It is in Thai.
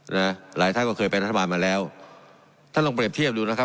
หลายท่านก็เคยเป็นรัฐบาลมาแล้วท่านลองเปรียบเทียบดูนะครับ